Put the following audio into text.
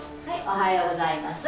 おはようございます。